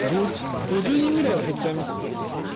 ５０人ぐらい減っちゃいます？